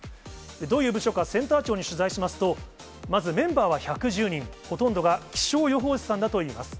どういう部署か、センター長に取材しますと、まずメンバーは１１０人、ほとんどが気象予報士さんだといいます。